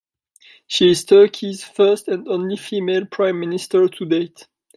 She is Turkey's first and only female prime minister to date.